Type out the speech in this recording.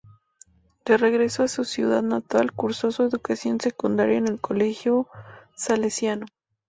De regreso a su ciudad natal, cursó su educación secundaria en el Colegio Salesiano.